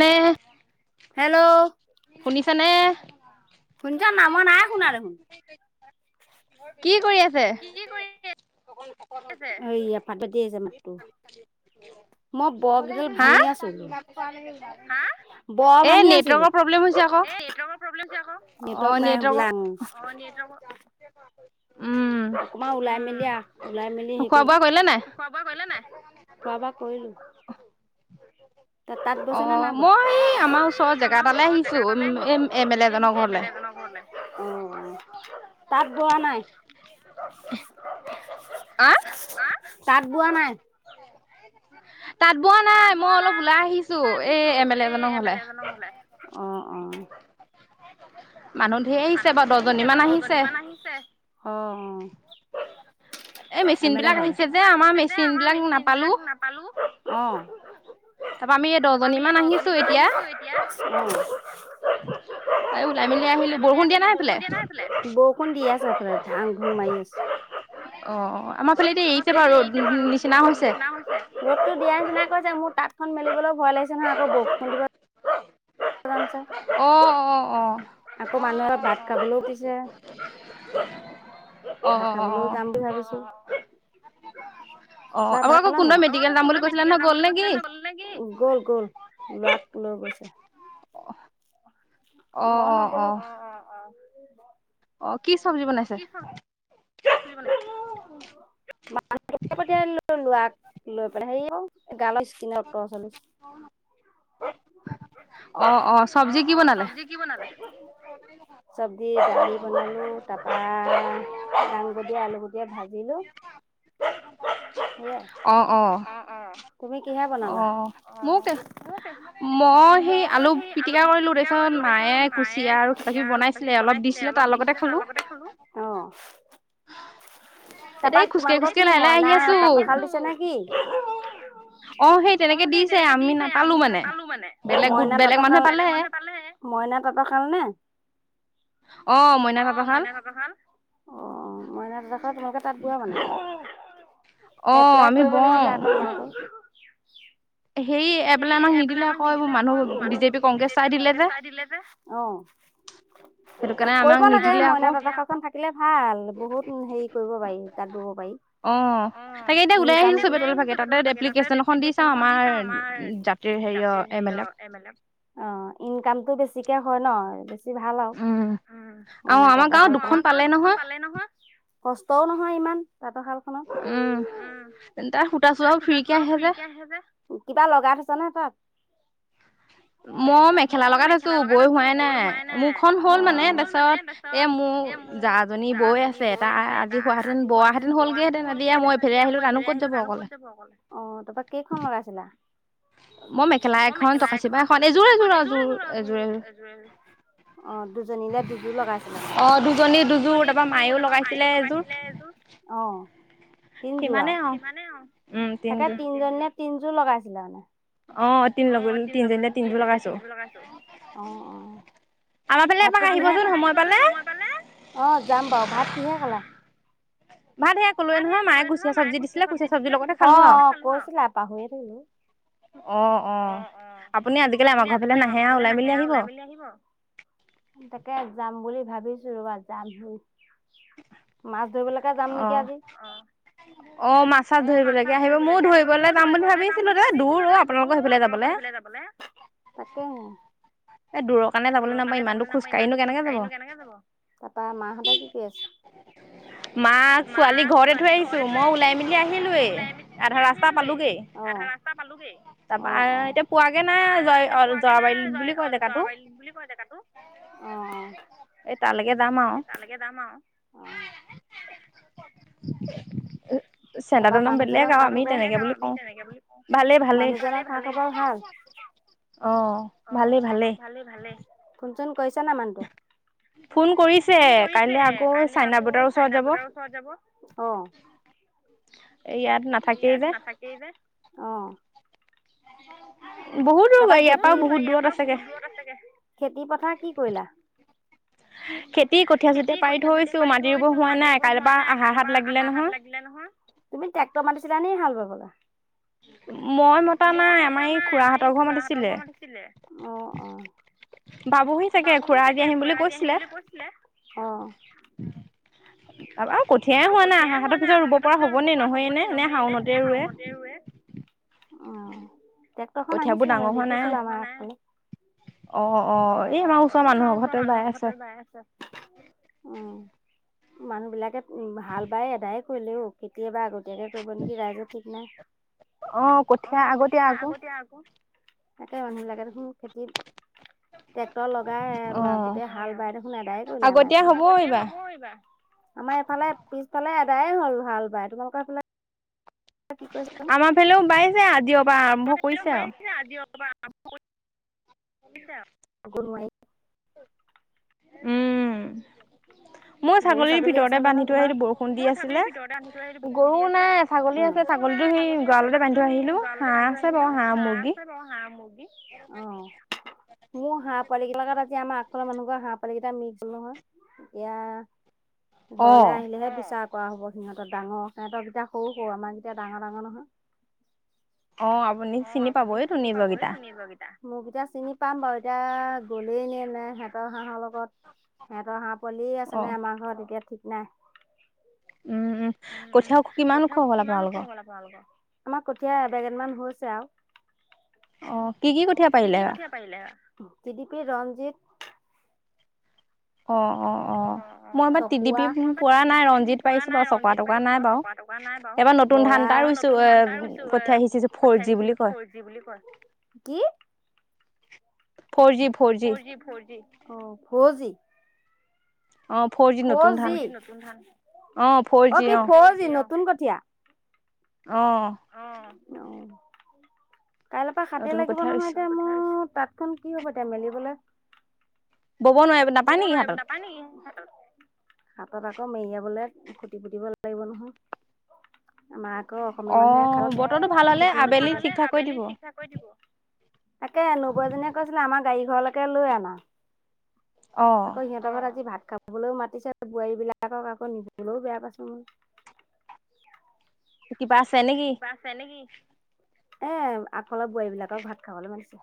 নে শুনিছানে শুনিছা নাই মই নাই শুনা দেখোন [inaudible] হয় পাততে আছে মাতো হাঁ বৰ ভাঙি আছিলো অকমান ওলাই মেলিা ওলাই মেলি হেৰি কৰি খোৱা বোৱা কৰিলা নাই খোৱা বোৱা কৰিলো তাত বৈছ নে নাই বোৱা অ মই আমাৰ ওচৰৰ জেগা এটালে আহিছো এ এ মে লে এজনৰ ঘৰলে অ তাত বোৱা নাই বোৱা নাই তাত বোৱা নাই নিছো এই এম এল এজনৰ ঘৰলে অ অ মানুহ ধেৰ আহিছে বাাৰু দহজনী মান আহিছে অ মেচিন বিলাক আহিছে যে আমাৰ মেচিন াক নাপালো তাপা আমি দহজনী মান আহিছো এতিয়া ওলাই মেলি আহিলো বৰষুণ দিয়া নাই সেফালে বৰষুণ দিয়া আছেফালে ধাং ধুং মাৰি আছে অ আমাৰ ফালে এ এতিয়া বাৰ নিচিনা ৰ'দতো দিয়া নিচিনা কৈ যে মোৰ তাঁত খখন মেলিবলৈ ভয় লাগিছে নহয় আকৌ বৌ খ আকৌ মানুহে ভাত খাবলৈও উ দিছে ভাত খাবলৈও যাম বুলি ভাবিছো বা ভাত খ আকৌ আকৌ কোনোবাই মেডিকেল যাম বুলি কৈছিলা ন গ'লে নে কি গ'ল গ'ল লাক লৈ গৈছো মন গলো অ কি চবজি বনাইছে মানহ পঠিয়াইনিলো লোৱা লৈ পেলাই সেই গাল তিনে অট আ চলিছ অ অ চবজি কি বনালে চব্জি দালি বনালো তাৰপা আলুগুটিয়ে ভাজি দিনো অ অ কিহে বনালা অ মই সেই আলু পিটিকা কৰিলো তাৰপিছত মায়ে কুচিয়া আৰু কিবাকি বনাইছিলে অলপ দিছিলে তাৰ লগতে খালো অ তপ তোমালোকৰ কি মইনা তাঁতৰশাল দিছে নে কিি অ সেই তেনেকে দিছে আমি নাপালো মানে মইনা ততাল বেলে মানুহে পালেে মইনা তাঁতৰশাল নে আহ মইনা কাপা খাল অ মইনা দুজাক তোমালোকে তাত বোৱা মানে আহ আমি বওঁ দিলে এইবোৰ মানহ বিজেপি কংগ্ৰেছ চাই দিলে কৰিব লাগে মইনা তাতঁৰ শালখনৰ থাকিলে ভাল বহুত হেৰি কৰিব পাৰি তাতঁ বব পাৰি অ ওলাই আহিবি তাতে থাকে তাতে এপ্লিকেচন এখন দি তোমাৰ জাতীৰ হেৰিঅ এম এলক অহ, ইনকামটো বেছি- িকা হয় ন [unintelligible] ভাল আৰু ওম, মই নহঁ তাতে আমাৰ দুখন পালে নহয়। কষ্টও নহয় ইমান উম তেন্তে সূতা চূতাও ফিৰিকে আহে যে লগাই থৈছে ন তাত মই মেখেলা লগাত আছো বৈ হোৱাই নাই মোৰখন হল মানে তাৰপিছত এ মোৰ জা জনি বৈ আছে তাঁৰ আজি হোৱাঁহেতেন বোৱাঁ হেতেন হলগেঁহেতেন মই এফালে আহিলো তানো ক'ত যাব অকলে অ তাৰপৰা কেইখন লগাইছা মই মেখেলা এখন টকাইছিবা এখন এযোৰ এযোৰ এযোৰ এযোৰ অ দুজনীলে দুযোৰ লগাইছিলা মানে অ দুজনী দুযোৰ তাৰপৰা মায়ও লগাইছিলে এযোৰ অ তিন যোৱা তাকে তিনজনে জোৰ লগাইছিলে মানে অ তিন লগ তিনজন তিন লগাইছো অ ভাত আহিবচোন সময় পালে অ যাম বাৰু ভাত কিহে খালা [inaudible] মা সেয়া কলোৱে নহয় মায়ে কোচীয়া চব্জি দিছিলে, অহ কৈছিলে পাহৰি এ গলো অ অ আপুনি আজি কালি আমাৰ ঘৰ ফালে নাহে ওলাই মেলি আহিব তাকে যাম বুলি ভাবিছো ৰবা যামহি মা ধৰিব লৈকে যাম নেকি আজি অ অ মাছ চাছ ধৰিবলৈক আহিব মইও ধৰিব সেই ফালে যাম বুলি ভাবিছিলো দেই দূৰ অহঁ আপোনালোকৰ হেই ফালে যাবলৈ তাকেহে এ দূৰৰ কাৰণে যাবলৈ নাপায় ইমান দূৰ খোজ কাঢ়িনো কেনেকে যাব তাৰপৰা মাহ কি টিপি আছা- মাক ছোৱালী ঘৰতে থৈ আহিছো মই ওলাই মেলি আহিলোয়ে আধা ৰাস্তা পালোগে আধা ৰাস্তা পালোগেই অ অ তাৰপা এতিয়া পোৱাগে নাই জোৱাবাৰী বুলি কয় জেগাতো অ তালৈকে যাম আৰু তাৰপৰা মানুহজনৰ খা খবৰ মানুহজনৰ খা খবৰ ভাল অ ভালেই ভালেই ফোন কৈছে নাই মানুহটোএ ফোন কৰিছে কাইলে আকৌ চাইনা বতৰ ওচৰত যাব অ ইয়াত নাথাকে যে অহঁ। বহুত দূৰ গৈ ইয়াৰ পৰাও বহুত দূৰত আছেগে। খেতি পথাৰ কি কৰিলা। খেতি কঠীয়া চঠীয়া পাৰি থইছো মাটি ৰুব হোৱা নাই কাইলৈৰ পৰা আহাৰ হাত লাগিলে নহয়। ট্ৰেক্টৰ মাতিছিলে নেকি হাঁল বাবলৈ বলা মই মতা নাই আমাৰ এই খুৰাহঁতৰ ঘৰত মাতিছিলে ভাবোহি চাগে খুৰা আজি আহিম বুলি কৈছিলে অ আৰু কঠিয়াই হোৱা নাই আহাতৰ পিছত ৰুব পৰা হব নে হ'বনে [inaudible] নহয়নে নে শাওনতে ৰুৱে টেক্টৰখন আহিছিলে ম দেখিছিলা আমাৰ অ' অ' এই আমাৰ ওচৰৰ মানুহৰ ঘতে ব আছে উ মানুহ বিলাকে উ হাল বাই এদায় কৰিলেও এইবাৰ আগতীয়া। তে কৰিব নেকি ৰাইজৰ ঠিক। নাই। অ 'কঠীয়া আগতীয়া আকৌ। তাকে মানুহ বিলাকে দেখোন খেতি টেক্টৰ লগাই গোটেই হাল বাই দেখোন এদায় কৰিলে আমাৰ এইফালে হববা আমাৰ এইফালে পিছফালে। প্ৰায়ে হ'ল হাল বাই। তোমালোকৰ ফালে। আমাৰ ফালেও বাইছে আজি পৰা আৰম্ভ কৰিছে আৰু। তব [unintelligible] গাই [unintelligible] উম, গৰু ছাগলী আছা নহয় তোমাৰ মই ছাগলীৰ ভিতৰতে বান্ধি থৈ আহিলো বকুন্তি আছিলে গৰু নাই ছাগলী আছে ছাগল স গৰালতে বান্ধি থৈ আহিলো হাঁহ আছে বাৰ হাহ মুৰ্গী। মোৰ হাঁহ পোৱালিগিলাকত আজি আমাৰ আগফালৰ মানুহ ঘৰ হাঁহ পোৱালি কেইটা মিক্স হ'ল নহয় এতিয়া। ঘৰলৈ আহিলেহে পিছা। কোৱা হ'ব সিহতৰ দাঙৰ সিহঁতৰকেইয়া সৰু -সৰু আমাৰকেইতিয়া ডাঙৰ ডাঙৰ নহয়। অ' আপুনি চিনি পাবহেই তো নিজকেই মোৰকেইটায়া চিনি পাম বাৰু এতিয়া। গ'লে সিহতৰ হাঁহৰ লগত সিহঁতৰ হাঁহ পোৱালী। আমাৰ ঘৰত এতিয়া ঠিক। ন, উম উ কঠিয়ও কিমান উ খং গ'ল আপোনালোকৰ আমাৰ কঠীয়া এবেগেত মান হৈছে আৰু অ' কি -কি কঠীয়া পাৰিলে। জি ডি পি ৰঞ্জিত অ ' চক মই টি পি পৰা নাই ৰঞ্জিত পাৰিছো বাৰ চক তকা নাই বাৰু বৰা আাৰ নতুন ধান তটা ৰুইছো এ পঠিয়াই আহি ফৰ জি বুলি কয় কি। ফ জি ফৰ জি অ' ফজি ফৰ যি অ' কি ফ' জি নতুন কঠীয়া অহ, অ' কাইলৈৰ পৰা খাতিৰ লাগিব নহয় এতিয়া মোৰক। তাতখন কি হ'ব এতিয়া মেলিবলে বব নো নাপায় নেকি হাতত? হাতত আকৌ মেৰিয়াবলে খুতি পুতিব লাগিব নহয়। মাক আকৌ অসমীয়া মানুহে খালত খুঁটি নুপুতে। তাকে, নবৌ এজনীয়ে কৈছিলে আমাৰ গাড়ী ঘৰলৈকে লৈ আনা। আকৌ সিহঁতৰ ঘৰত আজি ভাত খাব বলৈও মাতিছে বোৱাৰী বিলাকক, আকৌ নিবলৈও বেয়া পাইছো নহয়। কিবা আছে নে কি? এ আগফালৰ বোৱাৰী বিলাকক ভাত খাবলৈ মাতিছে।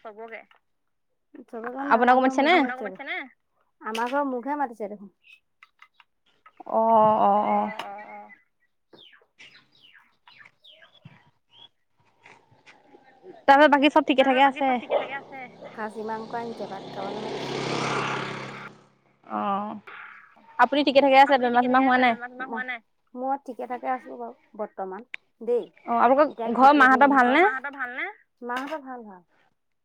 চবকে। চবকে মানে আমাৰ ঘৰৰ মুখে-মুখে। আমাৰ ঘৰৰ, মোক হে মাতিছে দেখোন। অ'-অ '-অ ', উম [inaudible] খাছী মাংস আনিছে, ভাত খাবলৈ মাতিছে। অ', মোক ঠিকে থাকে আছো বাৰু। বৰ্তমান। দেই, এতিয়া খেতিৰ দিন আহিছে, মাহতৰ ভাল-ভাল।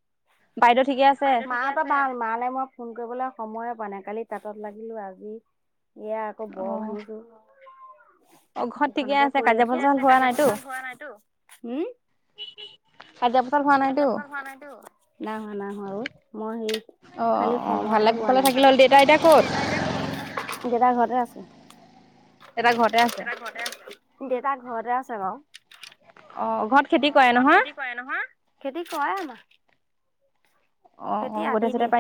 মা হতৰ ভাল? মালে মই ফোন কৰিবলৈ সময়ে পোৱা নাই। কালি তাঁতত লাগিলো আজি এয়া আকৌ, বৰ ভাঙিছো সেইখনকে কৰি আছোঁ, উম', নাই হোৱা, নাই হোৱা অ' মই হে খালি সময়হে পোৱা নাই। দেতা ঘৰতে আছে। দেতা ঘৰতে আছে বাৰু। খেতি কৰে আমাৰ। খেতি আদি দিয়ে।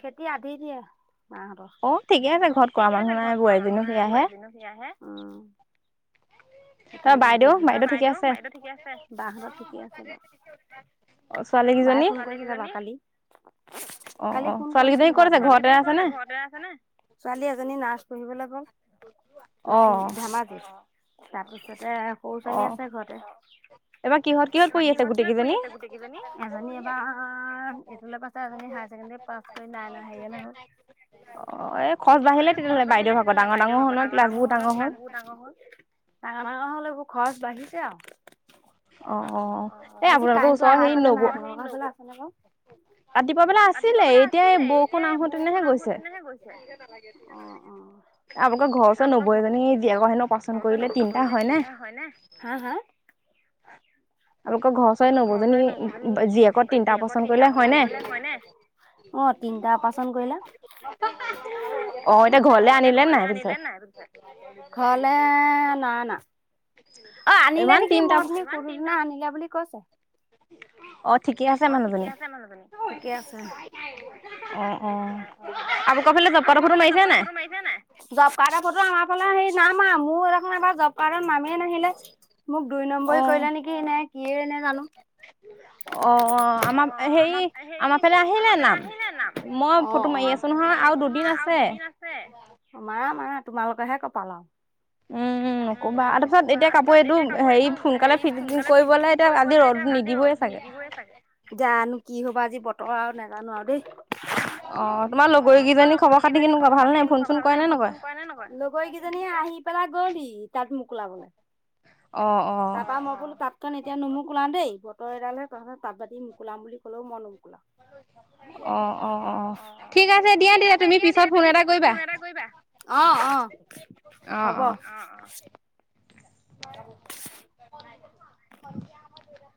খেতি আধি দিয়ে। মা হতৰ, অ! ঠিকে আছে, ঘৰত কৰা মানুহ নায়, বোৱাৰী জনিও সেয়া হে। সেইকাৰণে আধি দি দিছো। আৰু, বাইদেউ বাইদেউ হত ঠিকে আছে? বা হতৰ ঠিকে আছে বাৰু। বায়ে ফোনতে কি জান কালি। [inaudible] কালি ফোন কৰিছিলো বাৰু ঘৰতে আছে ন ছোৱালী এজনী নাৰছ পঢ়িবলৈ গ'ল লখিম ধেমাজি। তাৰপিছত তে সৰু ছোৱালী আছে ঘৰতে। অ' এইবাৰ কিহত কিহত পঢ়ি আছে। এজনী এইবাৰ এইটলে পাইছে এজনী হাই চেকেনডেৰি কৰি নাই ন হেৰিয়ালে গ'ল অ' এই খৰছ বাঢ়িলে তেতিয়াহ'লে বাইদেউ হতৰ ডাঙৰ ডাঙৰ হ'ল ন ক্লাছ বোৰ ডাঙৰ হ'ল। নহলে এইবোৰ খৰচ বাঢ়িছে আৰু। অ' অ' এ আপোনাৰ কাৰেণ্টটো আমাৰ ফালে নাই তোমাৰ লোকৰ ফালে আছে। [unintelligible] ৰাতিপুৱা বোলে আছিলে এতিয়া এই বৰষুণ আহোতেনেহে গৈছে। আপোনালোকৰ ঘৰৰ ওচৰত নবৌ এজনী [unintelligible] কৰিলে তিনিটা হয় নে, হা হা। আপোনালোকৰ ঘৰৰ ওচৰৰে নবৌজনী জীয়েকে তিনটা অপৰেচন কৰিলে হয়নে? অ'তিনিটা অপাৰেশ্যন কৰিলে। অ' এতিয়া ঘৰলে আনিলে নাই? অ' নাই অনা। অ' আনিলে নেকি মই অথনি সুধুটে পোৰহি দিনা আনিলে। বুলি কৈছে। অ ঠিকে আছে মানুহজনী? ঠিকে আছে। অ' আপোনালোকৰ জবকাডৰ ফটো মাৰিছে নে নাই? জবকাডৰ ফটো নাই মৰা। মোৰ দেখোন এইবাৰ জবকাডৰ নামে নাহিলে। [inaudible] মোক দুই নম্বৰী কৰিলে নেকি এনে কি এ নেজানো। অ' আমাৰ হেৰি আমাৰ ফালে আহিলে নাম, অ' অ' মই ফটো মাৰি আছো নহয় আৰু দুদিন আছে। অ'মাৰা মাৰা। তোমালোকৰহে কপাল আৰু। উম, উম, নকবা আৰু তাৰপিছত এতিয়া ক ত এতিয়া কাপোৰ এইটো হেৰি সোনকালে ফিট কৰিবলৈ এতিয়া আজি ৰ'দ নিদিবয়ে চাগে। জানো কি হব আজি বতৰ আৰু নাজানো আৰু দেই। অ' তোমাৰ লগৰীকেইজনী খবৰ খাতি কেনেকুৱা ভাল নাই ফোন চোন কৰে নে নকৰে? লগৰী কেইজনী আহি পেলাই গ'লহি তাত মোক ওলাবলে। তাৰপা মই বোলো তাতখন এতিয়া নুমুকোওলাওঁ দেই। [unintelligible] অঁ অঁ অঁ ঠিক আছে দিয়া তেতিয়া তুমি পিছত ফোন এটা কৰিবা অঁ অঁ হ'ব অঁ অঁ [inaudible]